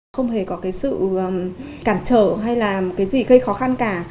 không hề có cái sự cản trở hay là cái gì gây khó khăn cả